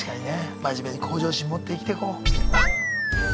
真面目に向上心持って生きていこう。